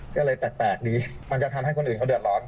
ก็เลยแปลกดีมันจะทำให้คนอื่นเขาเดือดร้อน